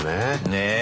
ねえ。